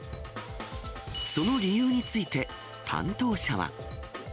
その理由について、担当者は。